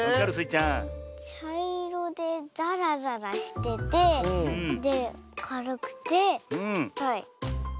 ちゃいろでざらざらしててでかるくてはい。